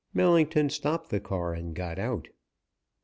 Millington stopped the car and got out.